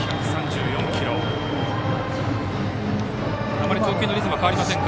あまり投球のリズムは変わりませんか。